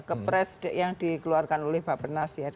kepres yang dikeluarkan oleh bapak penasihat